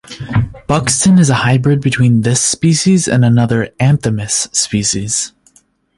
Buxton' is a hybrid between this species and another "Anthemis" species.